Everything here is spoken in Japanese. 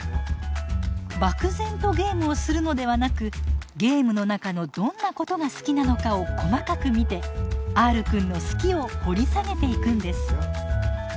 漠然とゲームをするのではなくゲームの中のどんなことが好きなのかを細かく見てＲくんの「好き」を掘り下げていくんです。